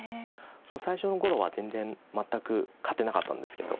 最初の頃は全然全く勝てなかったんですけど。